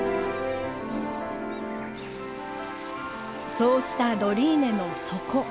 そうしたドリーネの底。